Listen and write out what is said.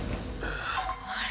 あれ？